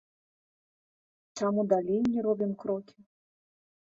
Чаму далей не робім крокі?